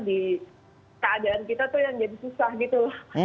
di keadaan kita tuh yang jadi susah gitu